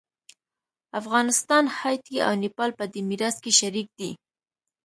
افغانستان، هایټي او نیپال په دې میراث کې شریک دي.